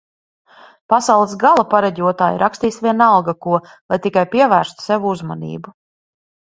Pasaules gala pareģotāji rakstīs vienalga ko, lai tikai pievērstu sev uzmanību